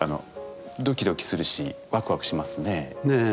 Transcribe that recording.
ドキドキするしワクワクしますねえ。